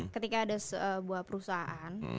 ketika ada sebuah perusahaan